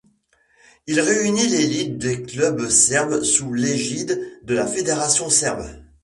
Il réunit l'élite des clubs serbes sous l'égide de la Fédération serbe.